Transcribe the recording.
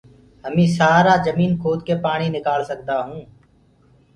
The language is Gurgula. هميٚ سآرآ جميٚن کود ڪي پآڻي نڪآݪ سگدآهونٚ